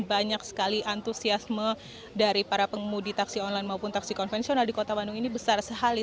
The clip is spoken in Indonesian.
banyak sekali antusiasme dari para pengemudi taksi online maupun taksi konvensional di kota bandung ini besar sekali